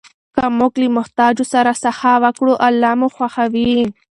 که موږ له محتاجو سره سخا وکړو، الله مو خوښوي.